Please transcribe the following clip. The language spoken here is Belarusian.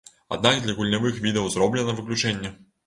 Аднак для гульнявых відаў зроблена выключэнне.